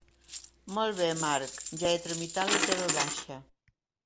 Molt bé, Marc, ja he tramitat la teva baixa.